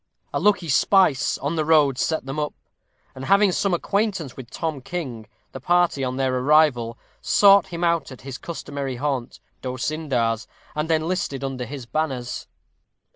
A lucky spice on the road set them up; and having some acquaintance with Tom King, the party, on their arrival, sought him out at his customary haunt, D'Osyndar's, and enlisted under his banners.